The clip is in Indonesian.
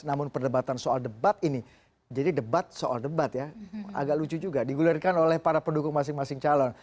namun perdebatan soal debat ini jadi debat soal debat ya agak lucu juga digulirkan oleh para pendukung masing masing calon